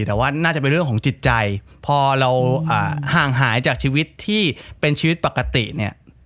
แต่ว่าน่าจะเป็นเรื่องของจิตใจพอเราห่างหายจากชีวิตที่เป็นชีวิตปกติเนี่ย